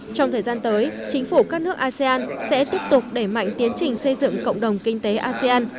trong thời gian tới chính phủ các nước asean sẽ tiếp tục đẩy mạnh tiến trình xây dựng cộng đồng kinh tế asean